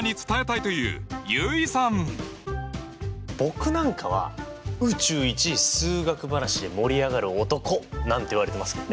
僕なんかは宇宙一数学話で盛り上がる男なんて言われてますけどね。